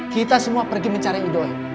kita semua pergi mencari idoi